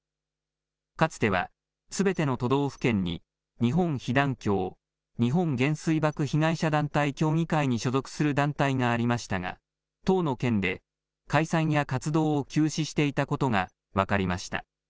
かつてはすべての都道府県に、日本被団協・日本原水爆被害者団体協議会に所属する団体がありましたが、１０の県で解散や活動を休止していたことが分かりました。